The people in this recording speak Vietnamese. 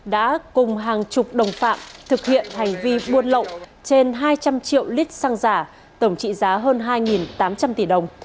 đã cùng hàng chục đồng phạm thực hiện hành vi buôn lậu trên hai trăm linh triệu lít xăng giả tổng trị giá hơn hai tám trăm linh tỷ đồng